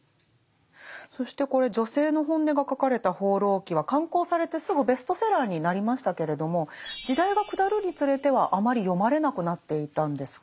そしてこれ女性の本音が書かれた「放浪記」は刊行されてすぐベストセラーになりましたけれども時代が下るにつれてはあまり読まれなくなっていたんですか？